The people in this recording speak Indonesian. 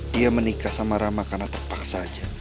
dia menikah sama rama karena terpaksa aja